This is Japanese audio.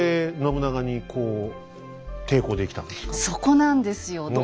そこなんですよ。